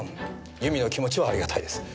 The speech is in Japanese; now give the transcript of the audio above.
由美の気持ちはありがたいです。